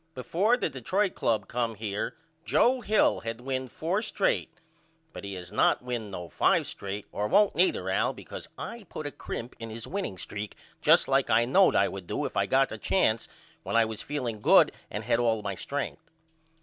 Before the Detroit Club come here Joe Hill had win 4 strate but he has not win no 5 strate or won't neither Al because I put a crimp in his winning streek just like I knowed I would do if I got a chance when I was feeling good and had all my strenth.